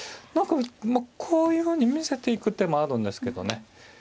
何かまあこういうふうに見せていく手もあるんですけどね。